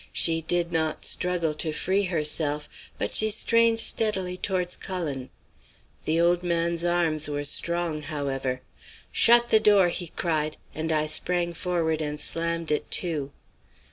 She did not struggle to free herself, but she strained steadily towards Cullen. The old man's arms were strong, however. "'Shut the door,' he cried, and I sprang forward and slammed it to.